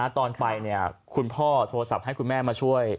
ตอนไปคุณพ่อโทรศัพท์ให้คุณแม่มาช่วย